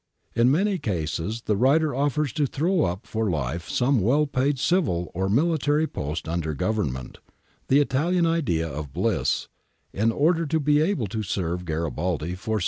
^ In many cases the writer offers to throw up for life some well paid civil or military post under Governm.ent, the Italian idea of bliss, in order to be able to serve Garibaldi for six 1 Cairoli^ 89 92, 349. « Milan MSS. A.